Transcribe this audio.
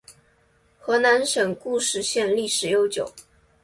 河南省固始县历史悠久